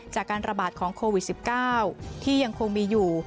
จากการระบาดของโควิด๑๙ที่ยังคงมีอยู่